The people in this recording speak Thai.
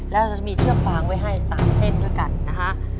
แล้วเราจะมีเชือกฟางไว้ให้๓เส้นด้วยกันนะฮะ